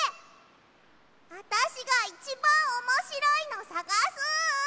あたしがいちばんおもしろいのさがす！